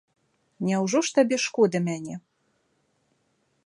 Няўжо ж табе шкода мяне?